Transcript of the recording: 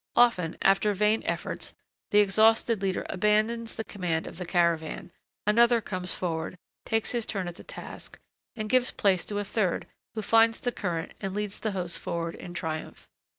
Often, after vain efforts, the exhausted leader abandons the command of the caravan; another comes forward, takes his turn at the task, and gives place to a third, who finds the current and leads the host forward in triumph.